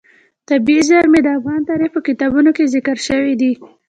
طبیعي زیرمې د افغان تاریخ په کتابونو کې ذکر شوی دي.